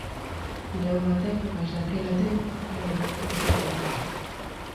Levaba tempo mais daquela tempo era o único que tiñamos.